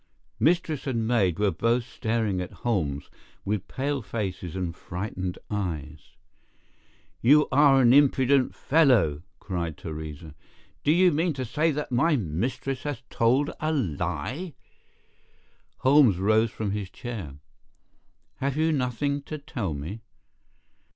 Mistress and maid were both staring at Holmes with pale faces and frightened eyes. "You are an impudent fellow!" cried Theresa. "Do you mean to say that my mistress has told a lie?" Holmes rose from his chair. "Have you nothing to tell me?"